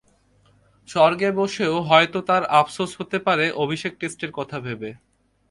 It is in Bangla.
স্বর্গে বসেও হয়তো তাঁর আফসোস হতে পারে অভিষেক টেস্টের কথা ভেবে।